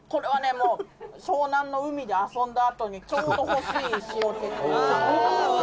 もう湘南の海で遊んだあとにちょうど欲しい塩気というか」